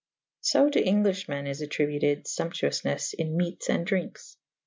So to Englyffhmen is attributed fuwzptuoufnes in meates and drynkes.